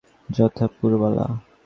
যথা– পুরবালা।